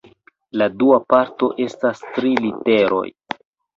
La dua parto estas tri literoj.